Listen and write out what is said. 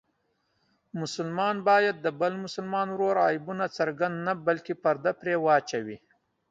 مسلمان باید د بل مسلمان ورور عیبونه څرګند نه بلکې پرده پرې واچوي.